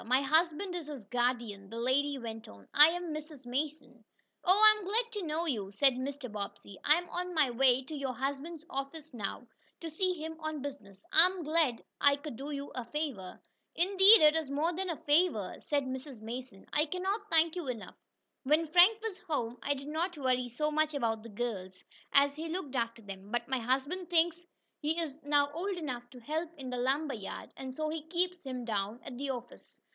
My husband is his guardian," the lady went on. "I am Mrs. Mason." "Oh, I am glad to know you," said Mr. Bobbsey. "I am on my way to your husband's office now, to see him on business. I am glad I could do you a favor." "Indeed it is more than a favor," said Mrs. Mason. "I cannot thank you enough. When Frank was home I did not worry so much about the girls, as he looked after them. But my husband thinks he is now old enough to help in the lumber yard, and so he keeps him down at the office.